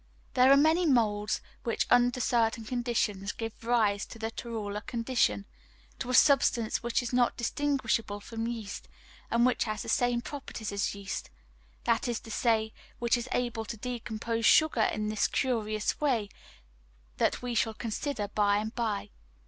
There are many moulds which under certain conditions give rise to this torula condition, to a substance which is not distinguishable from yeast, and which has the same properties as yeast that is to say, which is able to decompose sugar in the curious way that we shall consider by and by.